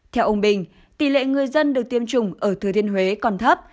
theo ông bình tỷ lệ người dân được tiêm chủng ở thừa thiên huế còn thấp